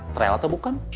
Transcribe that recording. trail atau bukan